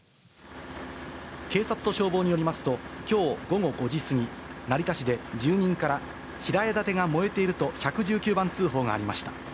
警察と消防によりますと、きょう午後５時過ぎ、成田市で、住人から、平屋建てが燃えていると１１９番通報がありました。